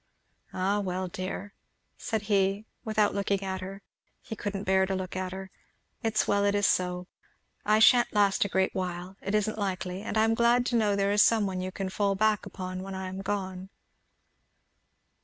"Ah well, dear," said he, without looking at her, he couldn't bear to look at her, "it's well it is so. I sha'n't last a great while it isn't likely and I am glad to know there is some one you can fall back upon when I am gone."